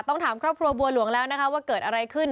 ต้องถามครอบครัวบัวหลวงแล้วนะคะว่าเกิดอะไรขึ้น